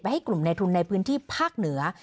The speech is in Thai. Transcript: ให้กลุ่มในทุนในพื้นที่ภาคเหนือ